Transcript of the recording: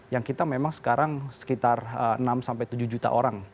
yang kita memang sekarang sekitar enam sampai tujuh juta orang